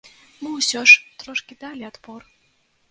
Мы ўсё ж трошкі далі адпор.